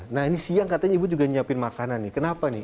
nah ini siang katanya ibu juga nyiapin makanan nih kenapa nih